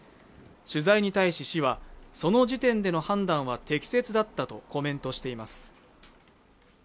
取材に対し市はその時点での判断は適切だったとコメントしています